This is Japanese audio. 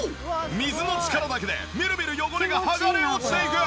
水の力だけでみるみる汚れが剥がれ落ちていく！